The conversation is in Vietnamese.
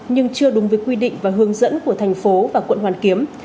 nhưng chưa đúng với quy định và hướng dẫn của thành phố và quận hoàn kiếm